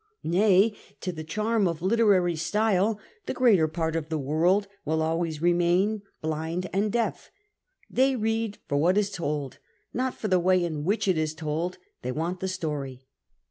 Nay, to the charm of literary style the greater part of the world will always remain blind and deaf ; they read for what is told, not for the way in which it is told ; they want the story.